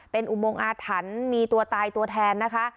เป็นอุโมงอาถรรพ์มีตัวตายตัวแทนนะคะ